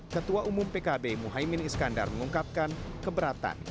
ketua umum pkb muhaymin iskandar mengungkapkan keberatan